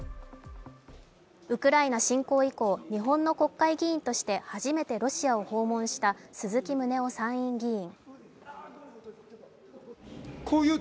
ウクライナ侵攻以降、日本の国会議員として初めてロシアを訪問した鈴木宗男参院議員。